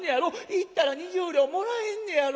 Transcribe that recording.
行ったら２０両もらえんねやろ。